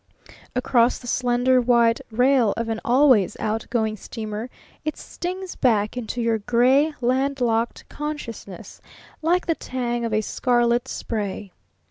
Across the slender white rail of an always out going steamer it stings back into your gray, land locked consciousness like the tang of a scarlet spray.